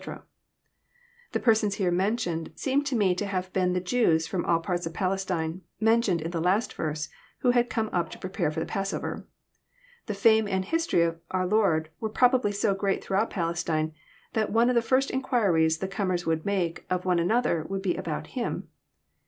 ] The persons here mentioned seem to me to have been the Jews from all parts of Palestine, mentioned in the last verse, who had come up to prepare for the passover. The fame and history of our Lord were probably so great throughout Palestine, that one of the first inquiries the comers would make of one another would be about Him.